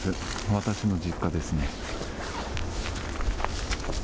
私の実家ですね。